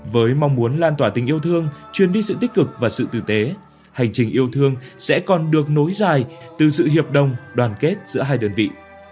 với mong muốn lan tỏa tình yêu thương truyền đi sự tích cực và sự tử tế hành trình yêu thương sẽ còn được nối dài từ sự hiệp đồng đoàn kết giữa hai đơn vị